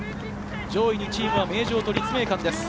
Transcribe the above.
上位２チームは名城と立命館です。